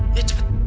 ya ya cepet cepet